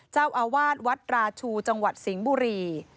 เจ้าอาวาสวัดราชูจังหวัดสิงห์บุรี